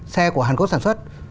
xe của hàn quốc sản xuất